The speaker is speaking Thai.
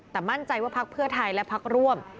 แต่มั่นใจว่าพักเพื่อไทยและพักร่วม